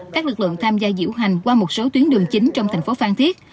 các lực lượng tham gia diễu hành qua một số tuyến đường chính trong thành phố phan thiết